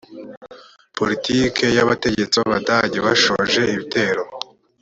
poritiki ya kandt abategetsi b abadage bashoje ibitero